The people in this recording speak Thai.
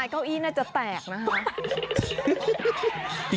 เก้าอี้น่าจะแตกนะคะ